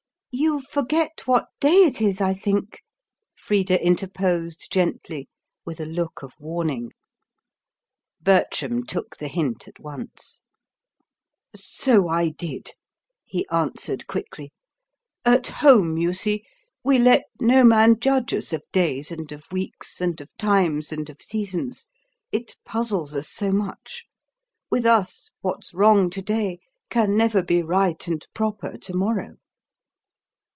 "You forget what day it is, I think," Frida interposed gently, with a look of warning. Bertram took the hint at once. "So I did," he answered quickly. "At home, you see, we let no man judge us of days and of weeks, and of times and of seasons. It puzzles us so much. With us, what's wrong to day can never be right and proper to morrow."